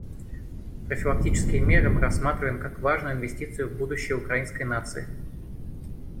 Профилактические меры мы рассматриваем как важную инвестицию в будущее украинской нации.